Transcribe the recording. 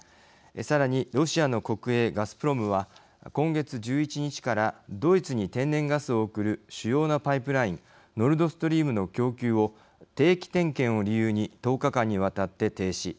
さらにロシアの国営ガスプロムは今月１１日からドイツに天然ガスを送る主要なパイプラインノルドストリームの供給を定期点検を理由に１０日間にわたって停止。